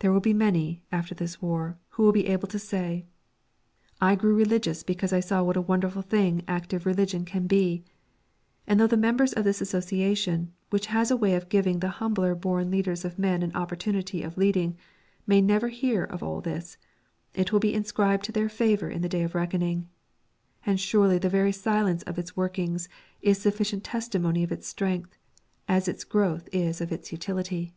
There will be many, after this war, who will be able to say: "I grew religious because I saw what a wonderful thing active religion can be"; and though the members of this Association which has a way of giving the humbler born leaders of men an opportunity of leading may never hear of all this, it will be inscribed to their favour on the Day of Reckoning! And surely the very silence of its workings is sufficient testimony of its strength, as its growth is of its utility.